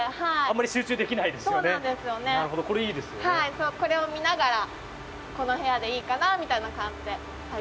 そうこれを見ながら「この部屋でいいかな？」みたいな感じで入って頂けます。